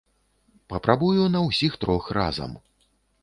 Папрабую на ўсіх трох разам.